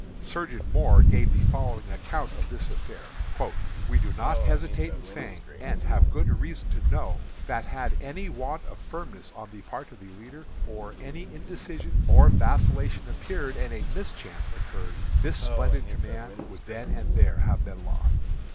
Surgeon Moore gives the following account of this affair: "We do not hesitate in saying, and have good reason to know, that had any want of firmness on the part of the leader, or any indecision or vacillation appeared, and a mischance occurred, this splendid command would then and there have been lost.